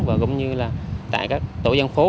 và cũng như là tại các tổ dân phố